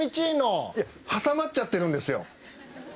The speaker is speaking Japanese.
いや挟まっちゃってるんですよ